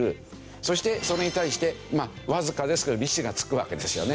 そしてそれに対してわずかですけど利子が付くわけですよね。